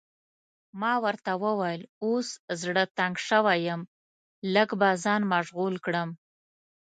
ما ورته وویل اوس زړه تنګ شوی یم، لږ به ځان مشغول کړم.